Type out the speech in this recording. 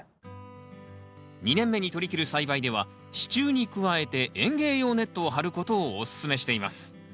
２年目にとりきる栽培では支柱に加えて園芸用ネットを張ることをおすすめしています。